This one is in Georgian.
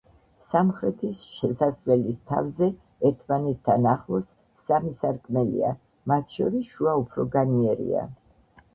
სამხრეთის შესასვლელის თავზე, ერთმანეთთან ახლოს, სამი სარკმელია, მათ შორის შუა უფრო განიერია.